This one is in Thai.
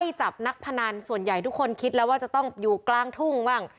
จับนักพนันส่วนใหญ่ทุกคนคิดแล้วว่าจะต้องอยู่กลางทุ่งบ้าง